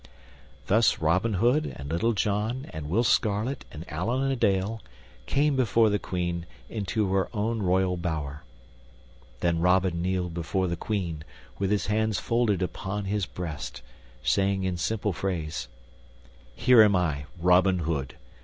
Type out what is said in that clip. Thus Robin Hood and Little John and Will Scarlet and Allan a Dale came before the Queen into her own royal bower. Then Robin kneeled before the Queen with his hands folded upon his breast, saying in simple phrase, "Here am I, Robin Hood.